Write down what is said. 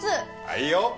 はいよ！